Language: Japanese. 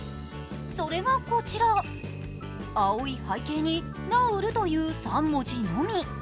それがこちら、青い背景にナウルという３文字のみ。